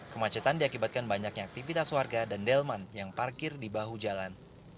kemacetan diakibatkan banyaknya aktivitas warga dan delman yang parkir di bahu jalan